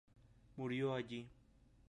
Murió allí.